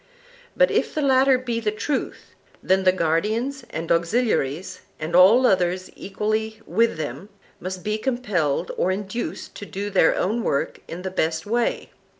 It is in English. But if the latter be the truth, then the guardians and auxiliaries, and all others equally with them, must be compelled or induced to do their own work in the best way.